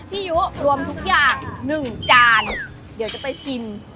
ยุรวมทุกอย่าง๑จานเดี๋ยวจะไปชิม